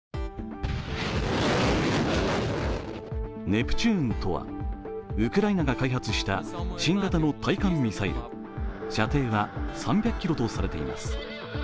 ネプチューンとは、ウクライナが開発した新型の対艦ミサイル、射程は３００ｋｍとされています。